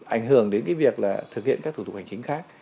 ảnh hưởng đến việc thực hiện các thủ tục hành chính khác